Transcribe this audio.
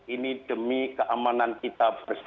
ini demi keamanan kita bersama